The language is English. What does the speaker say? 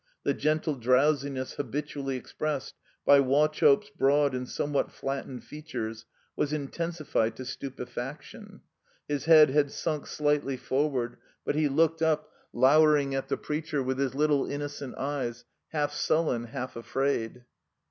The gentle drowsiness ha bitually expressed by Wauchope's broad and some what flattened featiu'es was intensified to stupe faction. His head had sunk slightly forward, but he looked up, lowering at the preacher with his little innocent eyes, half sullen, half afraid.